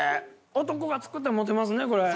男が作ったらモテますねこれ。